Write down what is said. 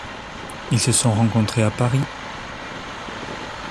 Ils se sont rencontrés à Paris.